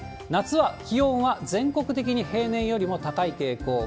夏は気温は全国的に平年よりも高い傾向。